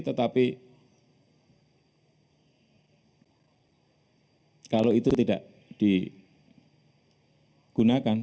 tetapi kalau itu tidak digunakan